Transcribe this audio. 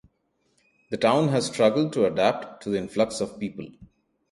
The town has struggled to adapt to the influx of people.